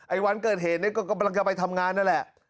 วันเกิดเหตุเนี่ยก็กำลังจะไปทำงานนั่นแหละ